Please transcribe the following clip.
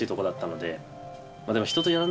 でも。